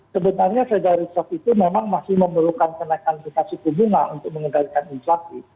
sebenarnya federal reserve itu memang masih memerlukan kenaikan tingkat suku bunga untuk mengendalikan inflasi